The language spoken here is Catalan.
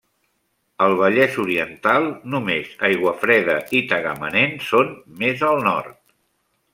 Al Vallès Oriental només Aiguafreda i Tagamanent són més al nord.